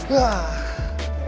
nanti berkabar lagi ya